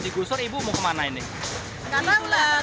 di sini kami jualan pakaian